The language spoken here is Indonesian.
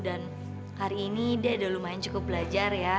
dan hari ini dia udah lumayan cukup belajar ya